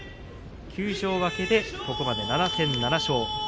休場明けでここまで７戦７勝。